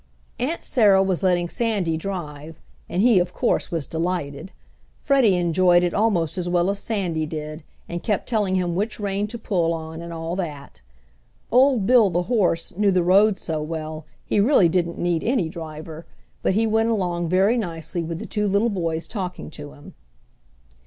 Aunt Sarah was letting Sandy drive, and he, of course, was delighted. Freddie enjoyed it almost as well as Sandy did, and kept telling him which rein to pull on and all that. Old Bill, the horse, knew the road so well he really didn't need any driver, but he went along very nicely with the two little boys talking to him.